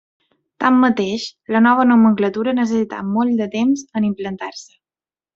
Tanmateix la nova nomenclatura necessità molt de temps en implantar-se.